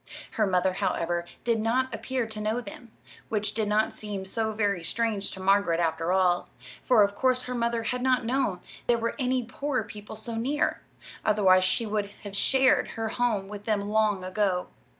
Her mother, however, did not appear to know them, which did not seem so very strange to Margaret, after all; for of course her mother had not known there were any poor people so near, otherwise she would have shared her home with them long ago.